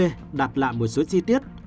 các cháu đã đặt lại một số chi tiết